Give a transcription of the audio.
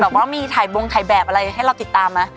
เสมือนว่ามีถ่ายบงถ่ายแบบอะไรให้เราติดตามค่ะ